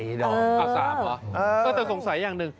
๕หรอ๓๓๘๒ด้องอ่ะ๓หรอแต่สงสัยอย่างหนึ่ง